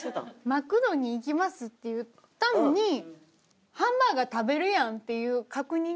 「マクドに行きます」って言ったのに「ハンバーガー食べるやん」っていう確認が。